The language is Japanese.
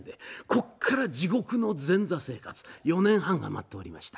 ここから地獄の前座生活４年半が待っていました。